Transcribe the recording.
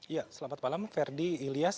ya selamat malam ferdi ilyas